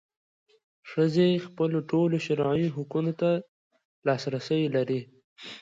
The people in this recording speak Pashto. ښځې خپلو ټولو شرعي حقونو ته لاسرسی لري.